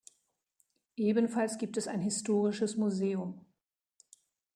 Ebenfalls gibt es ein historisches Museum.